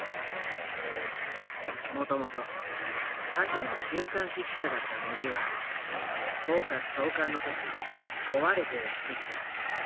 もともと他社の週刊誌記者だった野木は「フォーカス」創刊の時請われてやって来た。